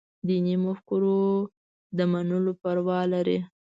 دیني مفکورو د منلو پروا لري.